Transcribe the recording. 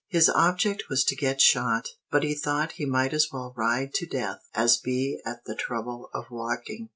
His object was to get shot; but he thought he might as well ride to death as be at the trouble of walking.